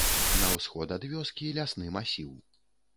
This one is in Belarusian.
На ўсход ад вёскі лясны масіў.